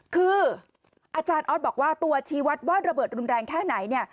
คืออาจารย์ออสบอกว่าตัวชีวัตรว่าระเบิดรุนแรงแค่ไหน